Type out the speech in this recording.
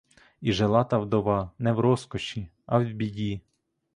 І жила та вдова не в розкоші, а в біді.